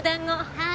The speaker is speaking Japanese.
はい。